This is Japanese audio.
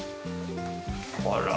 あら！